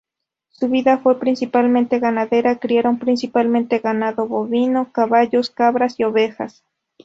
Su vida fue principalmente ganadera, criaron principalmente ganado bovino, caballos, cabras y ovejas.